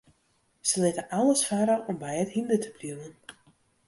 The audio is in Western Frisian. Se litte alles farre om by it hynder te bliuwen.